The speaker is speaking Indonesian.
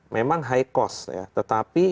memang high cost ya tetapi